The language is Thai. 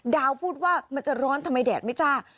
พูดว่ามันจะร้อนทำไมแดดไม่จ้า